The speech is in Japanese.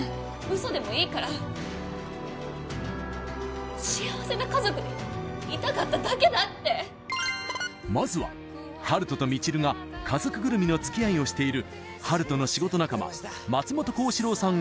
ウソでもいいから幸せな家族でいたかっただけだってまずは温人と未知留が家族ぐるみのつきあいをしている温人の仕事仲間松本幸四郎さん